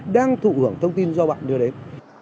đang thụ hưởng thông tin do bạn đưa đến